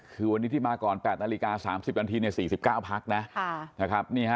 คือวันนี้ที่มาก่อน๘นาฬิกา๓๐นาที๔๙พักนะครับ